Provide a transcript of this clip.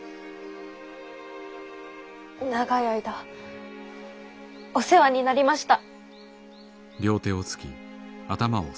長い間お世話になりました。